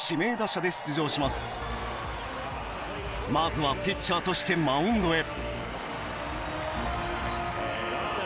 まずはピッチャーとしてマウンドへ。